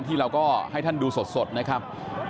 เราก็ให้ท่านดูสดนะครับ